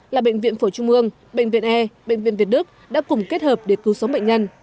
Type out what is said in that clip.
là bệnh viện phổi trung ương bệnh viện e bệnh viện việt đức đã cùng kết hợp để cứu sống bệnh nhân